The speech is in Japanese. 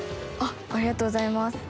ありがとうございます。